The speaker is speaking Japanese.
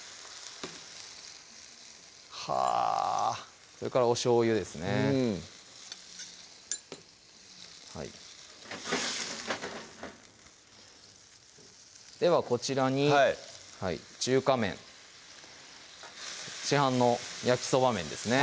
はぁそれからおしょうゆですねではこちらに中華麺市販の焼きそば麺ですね